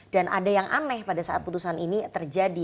dan ada yang aneh pada saat keputusan ini terjadi